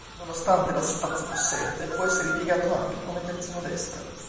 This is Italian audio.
Nonostante la stazza possente, può essere impiegato anche come terzino destro.